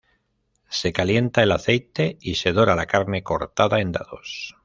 Se calienta el aceite y se dora la carne cortada en dados.